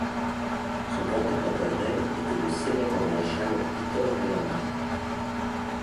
Son grand-père maternel était le célèbre maréchal Peter Melander.